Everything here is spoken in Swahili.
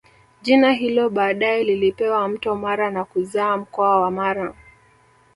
Jina hilo baadae lilipewa Mto Mara na kuzaa mkoa wa Mara